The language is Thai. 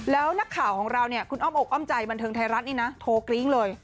แล้วนักข่าวของเราเนี่ยคุณอ้อมอกอ้อมใจบันเทิงไทยรัฐนี่นะโทรกริ้งเลย